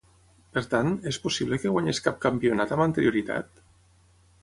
Per tant, és possible que guanyés cap campionat amb anterioritat?